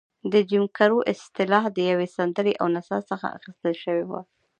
د جیم کرو اصطلاح د یوې سندرې او نڅا څخه اخیستل شوې وه.